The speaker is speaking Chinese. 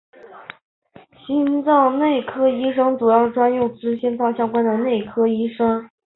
心脏内科医师是专门诊断心脏相关问题的内科医师。